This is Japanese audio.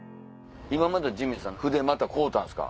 ジミーさん筆また買うたんすか？